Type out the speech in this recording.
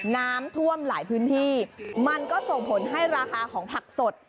น้ำท่วมหลายพื้นที่มันก็ส่งผลให้ราคาของผักสด